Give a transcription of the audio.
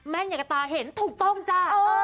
แม่นอยากกระตาเห็นถูกต้องจ้ะ